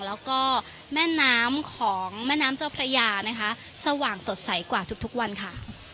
แล้วก็แม่น้ำของแม่น้ำเจ้าพระยานะคะสว่างสดใสกว่าทุกวันค่ะ